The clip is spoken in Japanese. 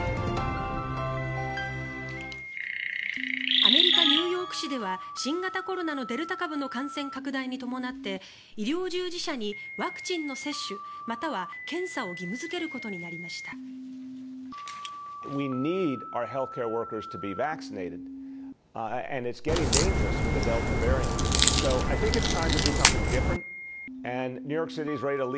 アメリカ・ニューヨーク市では新型コロナのデルタ株の感染拡大に伴って医療従事者にワクチンの接種または検査を義務付けることになりました。